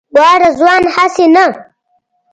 وا رضوانه هسې نه.